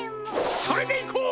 それでいこう！